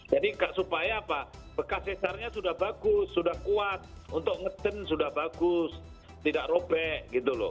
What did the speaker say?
jadi supaya bekas cesarnya sudah bagus sudah kuat untuk ngecen sudah bagus tidak robek